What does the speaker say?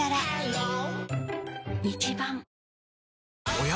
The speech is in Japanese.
おや？